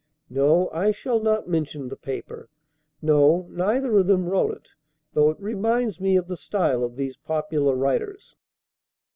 No, I shall not mention the paper. No, neither of them wrote it, though it reminds me of the style of these popular writers.